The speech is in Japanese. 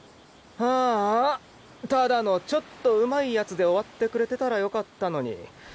ああただのちょっと上手い奴で終わってくれてたら良かったのに。